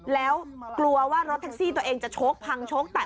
แล้วกลัวว่ารถทิกเซียนตัวเองจะช็อกพังช็อกแตก